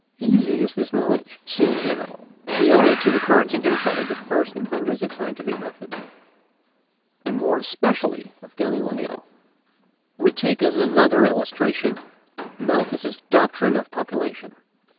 Easy as this knowledge seems now, we owe it to the courage and insight of the first inventors of scientific method, and more especially of Galileo. We may take as another illustration Malthus's doctrine of population.